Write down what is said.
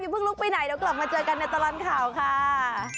เพิ่งลุกไปไหนเดี๋ยวกลับมาเจอกันในตลอดข่าวค่ะ